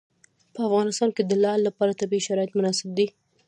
په افغانستان کې د لعل لپاره طبیعي شرایط مناسب دي.